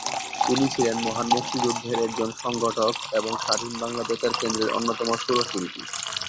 তিনি ছিলেন মহান মুক্তিযুদ্ধের একজন সংগঠক এবং স্বাধীন বাংলা বেতার কেন্দ্রের অন্যতম সুর শিল্পী।